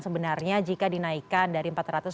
sebenarnya jika dinaikkan dari empat ratus lima puluh